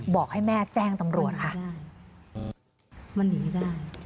บอกให้แม่แจ้งตำรวจค่ะ